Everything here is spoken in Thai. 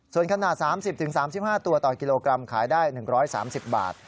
ส่วนขนาด๓๐๓๕ตัวต่อกิโลกรัมขายได้๑๓๐บาท